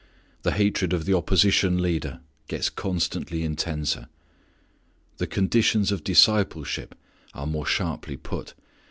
The hatred of the opposition leader gets constantly intenser. The conditions of discipleship are more sharply put.